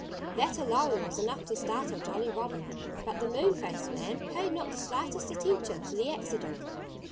That alone was enough to startle Jolly Robin. But the moon faced man paid not the slightest attention to the accident.